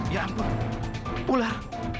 ya ampun ular